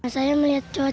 saya melihat cuaca